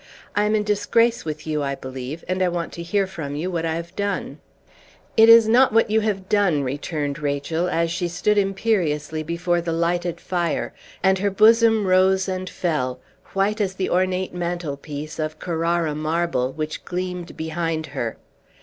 "I am in disgrace with you, I believe, and I want to hear from you what I have done." "It is what you have not done," returned Rachel, as she stood imperiously before the lighted fire; and her bosom rose and fell, white as the ornate mantelpiece of Carrara marble which gleamed behind her.